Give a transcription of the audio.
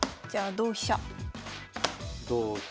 同飛車。